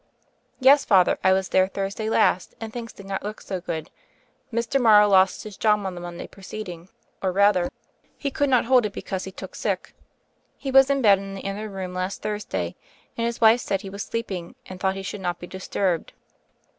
"Yes, Father, I was there Thursday last, and things did not look so good. Mr. Morrow lost his )ob on the Monday preceding, or rather, 50 THE FAIRY OF THE SNOWS he could not hold it, because he took sick. He was in bed in the inner room last Thursday, and his wife said he was sleeping and thought he should not be disturbed."